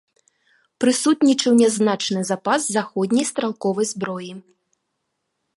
Прысутнічаў нязначны запас заходняй стралковай зброі.